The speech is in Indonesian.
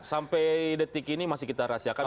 sampai detik ini masih kita rahasiakan